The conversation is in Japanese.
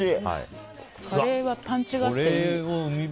カレーはパンチがあっていい。